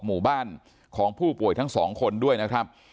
หมู่บ้านของผู้ป่วยทั้งสองคนด้วยนะครับ